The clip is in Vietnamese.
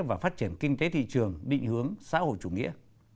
và phát triển kinh tế thị trường định hướng xã hội chủ nghĩa